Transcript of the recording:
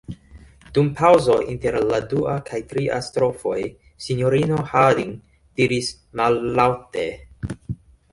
Dum paŭzo inter la dua kaj tria strofoj, sinjorino Harding diris mallaŭte: